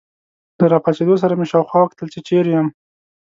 له راپاڅېدو سره مې شاوخوا وکتل، چې چیرې یم.